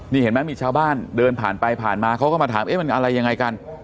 นี่เห็นไหมมีชาวบ้านเดินผ่านไปผ่านมาเขาก็มาถามเอ๊ะมันอะไรยังไงกัน